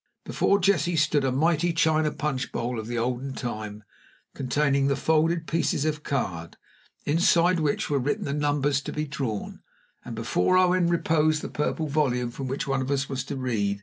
Before Jessie stood a mighty china punch bowl of the olden time, containing the folded pieces of card, inside which were written the numbers to be drawn, and before Owen reposed the Purple Volume from which one of us was to read.